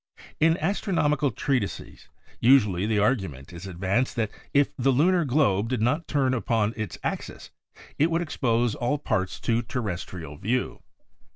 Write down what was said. In astronomical treatisies usually the argument is advanced that "if the lunar globe did not turn upon its axis it would expose all parts to terrestrial view.